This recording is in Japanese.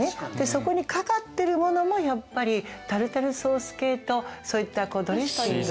そこにかかってるものもやっぱりタルタルソース系とそういったドレッシング。